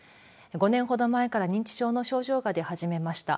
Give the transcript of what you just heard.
５年ほど前から認知症の症状が出始めました。